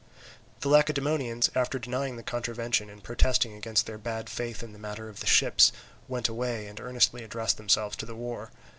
The Lacedaemonians, after denying the contravention and protesting against their bad faith in the matter of the ships, went away and earnestly addressed themselves to the war.